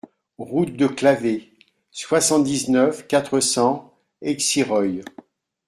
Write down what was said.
Route de Clavé, soixante-dix-neuf, quatre cents Exireuil